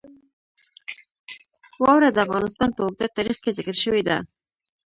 واوره د افغانستان په اوږده تاریخ کې ذکر شوې ده.